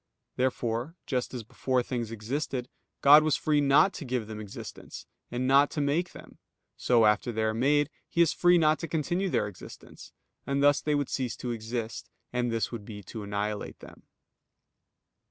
Therefore, just as before things existed, God was free not to give them existence, and not to make them; so after they are made, He is free not to continue their existence; and thus they would cease to exist; and this would be to annihilate them.